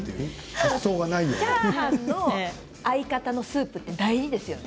チャーハンの相方のスープって大事ですよね。